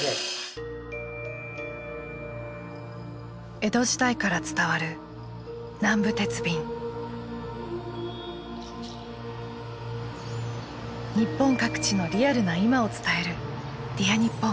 江戸時代から伝わる日本各地のリアルな今を伝える「Ｄｅａｒにっぽん」。